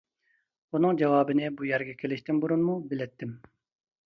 بۇنىڭ جاۋابىنى بۇ يەرگە كېلىشتىن بۇرۇنمۇ بىلەتتىم.